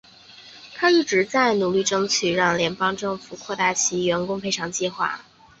她一直在努力争取让联邦政府扩大其员工赔偿计划。